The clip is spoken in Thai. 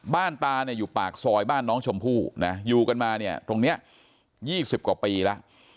บ้านตาเนี่ยอยู่ปากซอยบ้านน้องชมพู่นะอยู่กันมาเนี่ยตรงเนี้ยยี่สิบกว่าปีละ